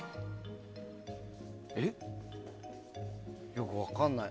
よく分かんない。